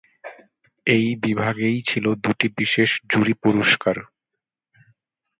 এই বিভাগেই ছিল দুটি বিশেষ জুরি পুরস্কার।